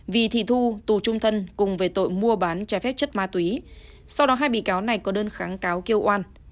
vì thị thu tù trung thân cùng về tội mua bán trái phép chất ma túy sau đó hai bị cáo này có đơn kháng cáo kêu oan